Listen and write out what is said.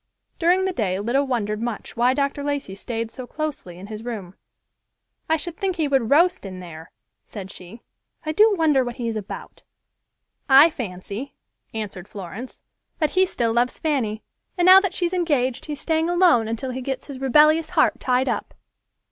During the day Lida wondered much why Dr. Lacey stayed so closely in his room. "I should think he would roast in there," said she. "I do wonder what he is about?" "I fancy," answered Florence, "that he still loves Fanny, and now that she is engaged he is staying alone until he gets his rebellious heart tied up."